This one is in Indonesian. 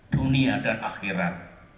dunia dan akhirat